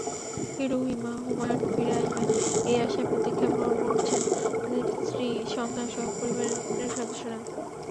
হিরু-হুমায়ুুন ফিরে আসবেন—এই আশায় প্রতীক্ষার প্রহর গুনছেন তাঁদের স্ত্রী, সন্তানসহ পরিবারের সদস্যরা।